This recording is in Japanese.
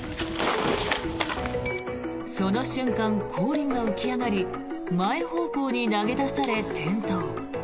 その瞬間、後輪が浮き上がり前方向に投げ出され、転倒。